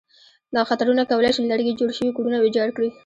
دغه خطرونه کولای شي له لرګي جوړ شوي کورونه ویجاړ کړي.